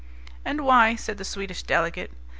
"And why," said the Swedish delegate?